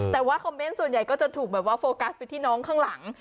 แต่ว่าคอมเมนต์ส่วนใหญ่ก็จะถูกแบบว่าโฟกัสไปที่น้องข้างหลัง